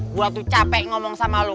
gua tuh capek ngomong sama lu